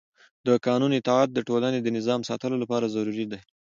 د قانون اطاعت د ټولنې د نظم د ساتلو لپاره ضروري دی